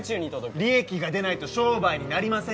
利益が出ないと商売になりません